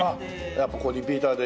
やっぱこうリピーターで。